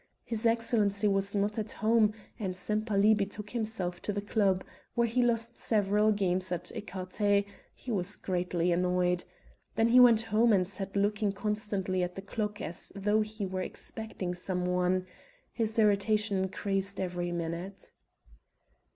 His excellency was not at home and Sempaly betook himself to the club, where he lost several games at ecarté he was greatly annoyed. Then he went home and sat looking constantly at the clock as though he were expecting some one; his irritation increased every minute.